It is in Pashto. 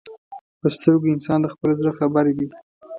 په سترګو انسان د خپل زړه خبر وي